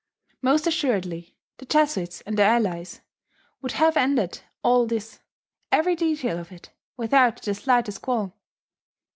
Most assuredly the Jesuits and their allies would have ended all this, every detail of it, without the slightest qualm.